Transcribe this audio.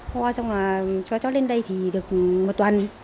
hoa xong là cho cháu lên đây thì được một tuần